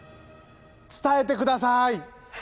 伝えてください！